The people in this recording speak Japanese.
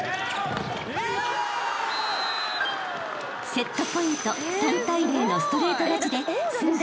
［セットポイント３対０のストレート勝ちで駿台